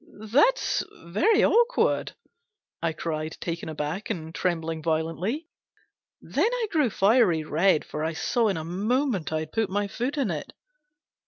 "That's very awkward !" I cried, taken aback, and trembling violently. Then I grew fiery red, for I saw in a moment I'd put my foot in it.